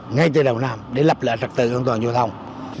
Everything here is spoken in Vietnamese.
ngay từ đầu năm để lập lại trật tự an toàn giao thông